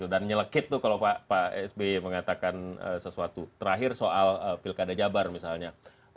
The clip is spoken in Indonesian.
nyelekit tuh kalau pak sby mengatakan sesuatu terakhir soal pilkada jabar misalnya